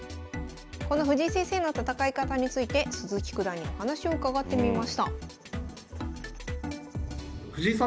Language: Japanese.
この藤井先生の戦い方について鈴木九段にお話を伺ってみました。